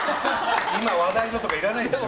今話題のとかいらないでしょ。